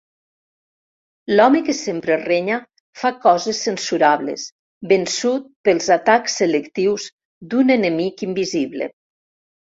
L'home que sempre renya fa coses censurables, vençut pels atacs selectius d'un enemic invisible.